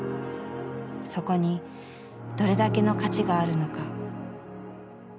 そこにどれだけの価値があるのか。